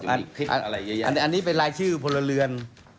อันอันอันอันนี้เป็นรายชื่อพลเรือน